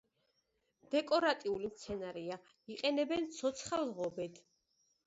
დეკორატიული მცენარეა, იყენებენ ცოცხალ ღობედ.